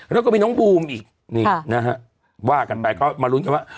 แล้วก็มีน้องบูมอีกนี่นะฮะว่ากันไปก็มาลุ้นกันว่า